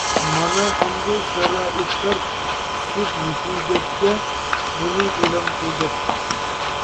مانا ئەمدى شارائىتلار پىشىپ يېتىلگەچكە بۇنى ئېلان قىلدۇق.